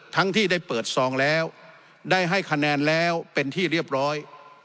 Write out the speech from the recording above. ที่ได้เปิดซองแล้วได้ให้คะแนนแล้วเป็นที่เรียบร้อย